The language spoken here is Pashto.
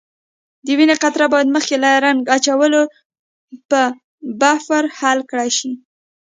د وینې قطره باید مخکې له رنګ اچولو په بفر حل کړای شي.